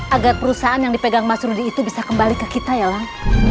agar perusahaan yang dipegang mas rudy itu bisa kembali ke kita ya bang